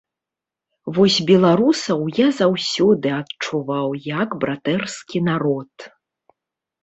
Вось беларусаў я заўсёды адчуваў як братэрскі народ.